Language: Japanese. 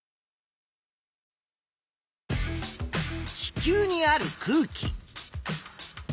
地球にある空気。